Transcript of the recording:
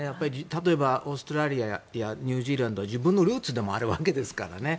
例えば、オーストラリアやニュージーランドは自分のルーツでもあるわけですからね。